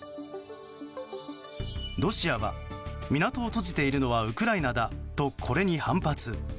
ロシアは港を閉じているのはウクライナだと、これに反発。